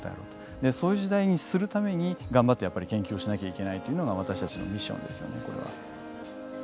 でそういう時代にするために頑張ってやっぱり研究をしなきゃいけないというのが私たちのミッションですよねこれは。